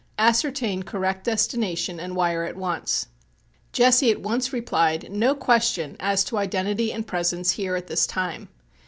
Ascertain correct destination and wire at once. Jesse at once replied: No question as to identity and presence here at this time.